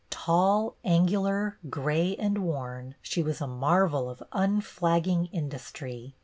Tall, angular, gray and worn, she was a marvel of unflagging industry.